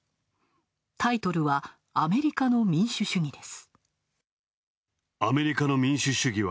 タイトルは、アメリカの民主主義です。